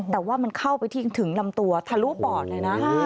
แต่ว่ามันเข้าไปทิ้งถึงลำตัวทะลุปอดเลยนะ